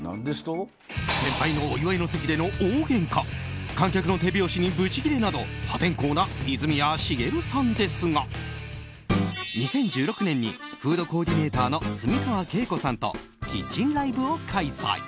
先輩のお祝いの席での大げんか観客の手拍子にブチギレるなど破天荒な泉谷しげるさんですが２０１６年にフードコーディネーターの住川啓子さんと「キッチンライブ！」を開催。